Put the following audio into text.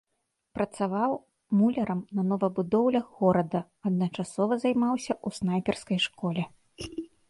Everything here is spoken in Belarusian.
Працаваў мулярам на новабудоўлях горада, адначасова займаўся ў снайперскай школе.